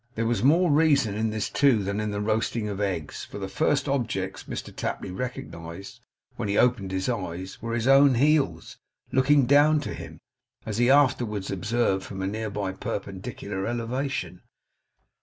There was more reason in this too, than in the roasting of eggs; for the first objects Mr Tapley recognized when he opened his eyes were his own heels looking down to him, as he afterwards observed, from a nearly perpendicular elevation.